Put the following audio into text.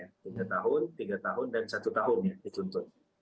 tiga tahun tiga tahun dan satu tahun ya dituntut